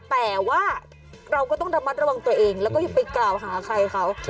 แต่ว่าเราก็ต้องระมัดระวังตัวเองแล้วก็อย่าไปกล่าวหาใครเขา